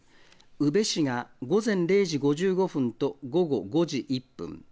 宇部市が午前０時５５分と午後５時１分。